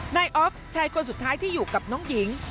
ออฟชายคนสุดท้ายที่อยู่กับน้องหญิง